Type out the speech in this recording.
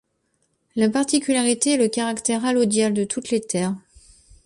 La particularité est le caractère allodial de toutes les terres.